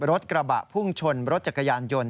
รถกระบะพุ่งชนรถจักรยานยนต์